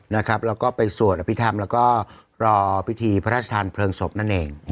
แล้วก็ไปสวดอภิษฐรรมแล้วก็รอพิธีพระราชทานเพลิงศพนั่นเอง